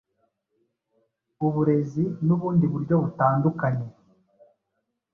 uburezi nubundi buryo butandukanye